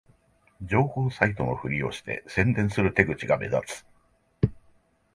情報サイトのふりをして宣伝する手口が目立つ